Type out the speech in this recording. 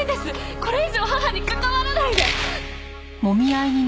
これ以上母に関わらないで！